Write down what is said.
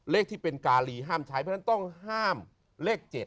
เลขที่เป็นการีห้ามใช้เพราะฉะนั้นต้องห้ามเลข๗